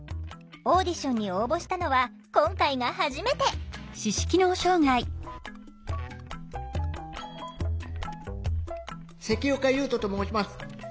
オーディションに応募したのは今回が初めて関岡勇人と申します。